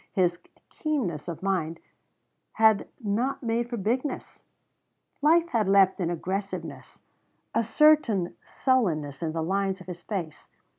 His keenness of mind had not made for bigness. Life had left an aggressiveness, a certain sullenness in the lines of his face.